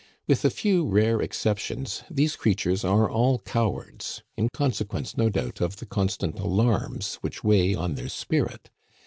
With a few rare exceptions these creatures are all cowards, in consequence no doubt, of the constant alarms which weigh on their spirit.